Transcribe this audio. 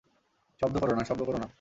শব্দ কোরো না, শব্দ কোরো না।